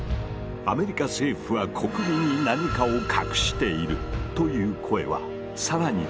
「アメリカ政府は国民に何かを隠している」という声は更に高まっていく。